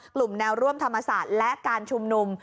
กลุ่มแนวร่วมธรรมศาสตร์และการชุมนุม